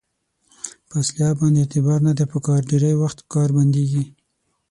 په اصلحه باندې اعتبار نه دی په کار ډېری وخت کار بندېږي.